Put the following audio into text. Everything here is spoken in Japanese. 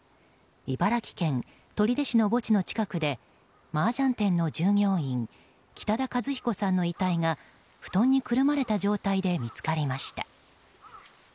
茨城県取手市の墓地の近くでマージャン店の従業員北田和彦さんの遺体が布団にくるまれた状態で見つかりました。